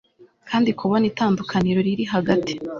kandi kubona itandukaniro riri hagati